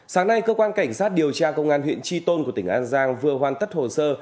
sáng nay cơ quan cảnh sát điều tra công an huyện tri tôn của tỉnh an giang vừa hoàn tất hồ sơ